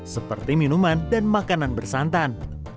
seperti minuman dan makanan bersantan